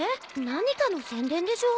何かの宣伝でしょ？